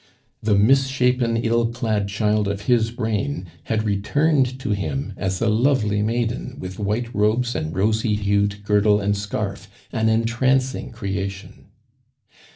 The misshapen, ill clad child of his brain had returned to him as a lovely maiden, with white robes and rosy hued girdle and scarf an entrancing creation.